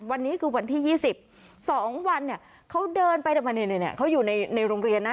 วันนี้คือวันที่ยี่สิบสองวันเนี่ยเขาเดินไปต่อมาเนี่ยเนี่ยเขาอยู่ในในโรงเรียนนะ